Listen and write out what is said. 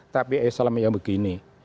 tapi islam yang begini